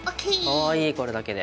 かわいいこれだけで。